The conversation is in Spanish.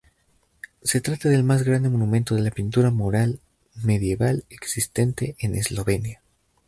Se trata del más grande monumento de la pintura mural medieval existente en Eslovenia.